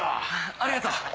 ありがとう。